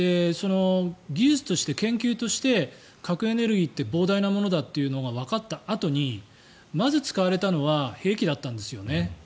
技術として、研究として核エネルギーって膨大なものだというのがわかったあとにまず使われたのは兵器だったんですよね。